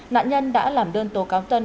nạn nhân đã làm đơn tố cáo tân